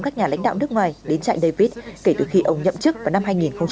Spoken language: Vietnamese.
các nhà lãnh đạo nước ngoài đến chạy david kể từ khi ông nhậm chức vào năm hai nghìn hai mươi một